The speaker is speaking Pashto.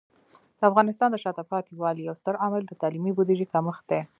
د افغانستان د شاته پاتې والي یو ستر عامل د تعلیمي بودیجې کمښت دی.